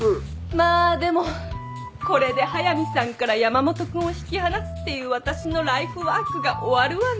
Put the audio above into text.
まあでもこれで速見さんから山本君を引き離すっていう私のライフワークが終わるわね。